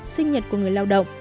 sinh nhật của người lao động